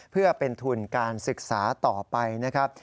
เพื่อเป็นทุนการศึกษาต่อไปนะครับ